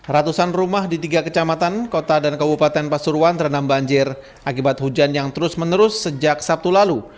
ratusan rumah di tiga kecamatan kota dan kabupaten pasuruan terendam banjir akibat hujan yang terus menerus sejak sabtu lalu